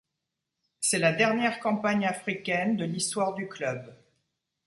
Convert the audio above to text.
C'est la dernière campagne africaine de l'histoire du club.